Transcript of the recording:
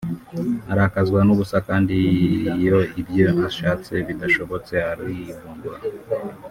arakazwa n’ubusa kandi iyo ibyo ashatse bidashobotse arivumbura